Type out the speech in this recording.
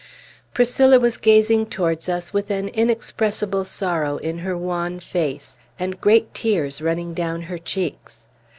Priscilla was gazing towards us with an inexpressible sorrow in her wan face and great tears running down her cheeks.